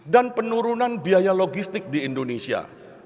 dan penurunan biaya logistik di indonesia